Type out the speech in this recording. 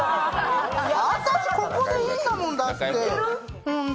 私ここでいいんだもん、だって。